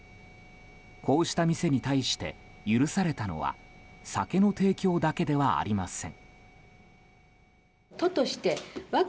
こうした店に対して許されたのは酒の提供だけではありません。